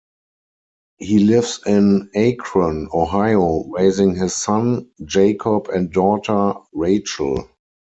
He lives in Akron, Ohio raising his son, Jacob and daughter, Rachel.